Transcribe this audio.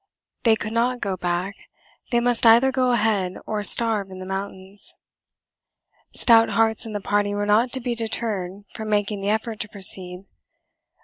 They could not go back; they must either go ahead or starve in the mountains. Stout hearts in the party were not to be deterred from making the effort to proceed.